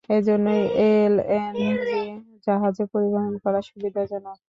এ জন্যই এলএনজি জাহাজে পরিবহন করা সুবিধাজনক।